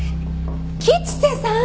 吉瀬さん！